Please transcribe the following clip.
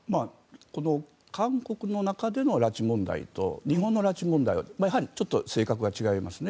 この韓国の中での拉致問題と日本の拉致問題は性格が違いますね。